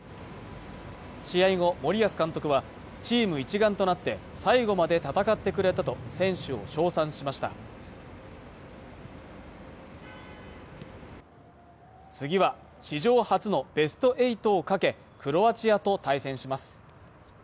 試合後森保監督はチーム一丸となって最後まで戦ってくれたと選手を称賛しました次は史上初のベスト８をかけクロアチアと対戦します